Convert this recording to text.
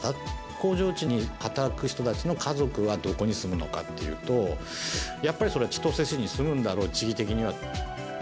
工場地に働く人たちの家族はどこに住むのかっていうと、やっぱりそれは千歳市に住むんだろう、地理的には。